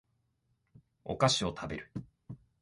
お菓子を食べる